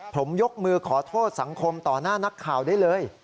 ผมยกมือขอโทษสังคมต่อหน้านักข่าวได้เลย